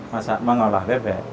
masa mengolah bebek